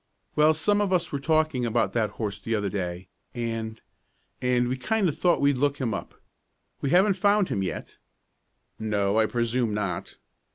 "Well, some of us were talking about that horse the other day, and and we kind of thought we'd look him up. We haven't found him yet " "No, I presume not."